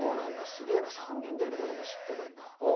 すげえな３人でいる事も知ってるんだ。